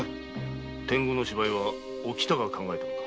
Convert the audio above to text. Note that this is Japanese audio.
天狗の芝居はおきたが考えたのか？